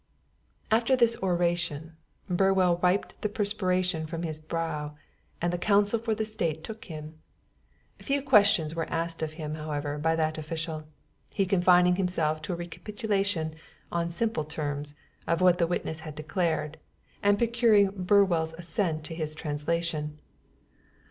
After this oration, Burwell wiped the perspiration from his brow, and the counsel for the state took him. Few questions were asked him, however, by that official, he confining himself to a recapitulation in simple terms, of what the witness had declared, and procuring Burwell's assent to his translation.